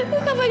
kamu kak fadil